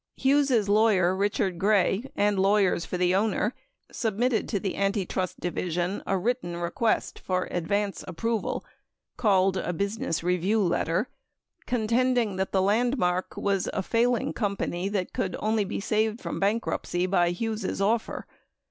Hughes' lawyer, Richard Gray, and lawyers for the owner submitted to the Antitrust Division a written request for advance approval, called a "business review letter," contending that the Landmark was a "failing company" that could be saved from bankruptcy only by Hughes' offer.